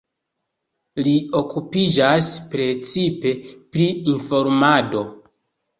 Li okupiĝas precipe pri informado.